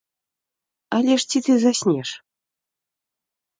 Але ж ці ты заснеш?